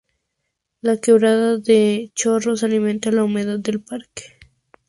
La quebrada Los Chorros alimenta el humedal del parque.